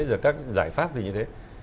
rồi các giải pháp thì như thế